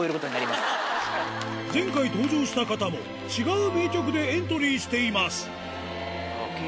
前回登場した方も、違う名曲でエントリーしています。